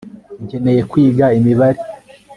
nkeneye kwiga imibare